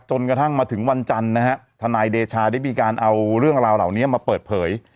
จนกระทั่งมาถึงวันจันทร์นะฮะทนายเดชาได้มีการเอาเรื่องราวเหล่านี้มาเปิดเผย